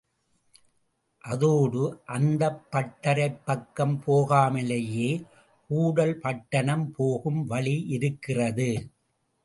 அதோடு அந்தப் பட்டறைப் பக்கம் போகாமலேயே கூடல் பட்டணம் போகும் வழியிருக்கிறது.